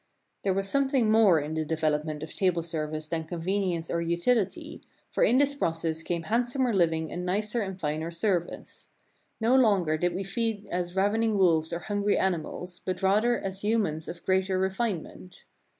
There was something more in the development of table service than convenience or utility, for in this process came handsomer living and nicer and finer service. No longer did we feed as ravening wolves or hungry animals, but rather as humans of greater re finement.